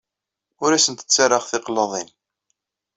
Ur asent-ttarraɣ tiqlaḍin.